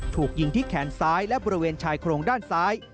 ถูกยิงที่แขนซ้ายและบริเวณชายโครงด้านซ้าย